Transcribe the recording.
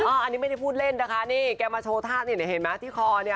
อันนี้ไม่ได้พูดเล่นนะคะนี่แกมาโชว์ท่าเนี่ยเห็นไหมที่คอเนี่ย